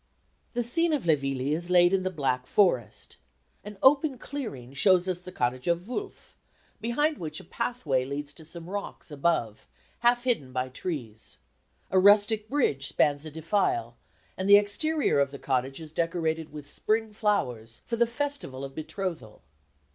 The scene of Le Villi is laid in the Black Forest. An open clearing shows us the cottage of Wulf, behind which a pathway leads to some rocks above, half hidden by trees. A rustic bridge spans a defile, and the exterior of the cottage is decorated with spring flowers for the festival of betrothal.